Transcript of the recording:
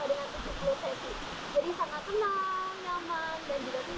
jadi sangat tenang nyaman dan juga sehat